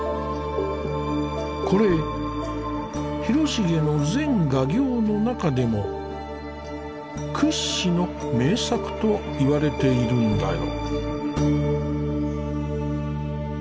これ広重の全画業の中でも屈指の名作といわれているんだよ。